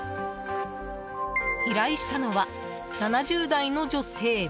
依頼したのは７０代の女性。